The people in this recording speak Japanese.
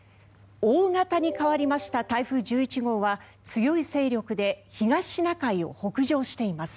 大型に変わりました台風１１号は強い勢力で東シナ海を北上しています。